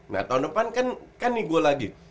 nah tahun depan kan nih gue lagi